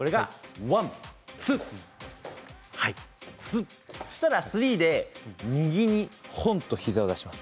１、２、３で右に本と膝を出します。